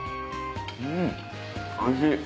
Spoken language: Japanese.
うんおいしい！